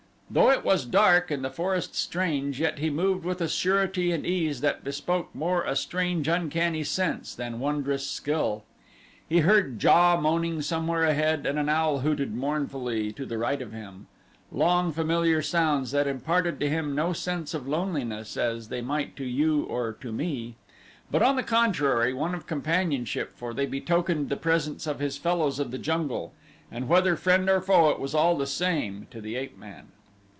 Though it was dark and the forest strange yet he moved with a surety and ease that bespoke more a strange uncanny sense than wondrous skill. He heard JA moaning somewhere ahead and an owl hooted mournfully to the right of him long familiar sounds that imparted to him no sense of loneliness as they might to you or to me, but on the contrary one of companionship for they betokened the presence of his fellows of the jungle, and whether friend or foe it was all the same to the ape man.